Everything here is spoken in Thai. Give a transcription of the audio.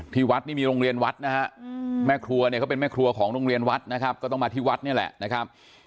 วัดนี่มีโรงเรียนวัดนะฮะแม่ครัวเนี่ยเขาเป็นแม่ครัวของโรงเรียนวัดนะครับก็ต้องมาที่วัดนี่แหละนะครับ